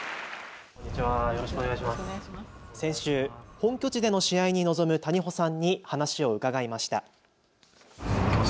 先週、本拠地での試合に臨む谷保さんに話を伺いました。